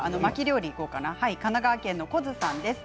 神奈川県の方からです。